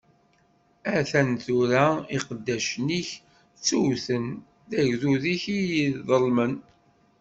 A-t-an tura, iqeddacen-ik ttewten, d agdud-ik i yeḍelmen.